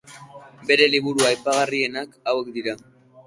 Bere liburu aipagarrienak hauek dira.